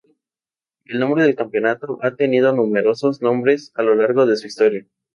El nombre del campeonato ha tenido numerosos nombres a lo largo de su historia.